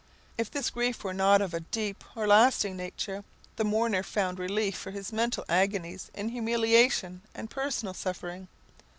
If this grief were not of a deep or lasting nature, the mourner found relief for his mental agonies in humiliation and personal suffering.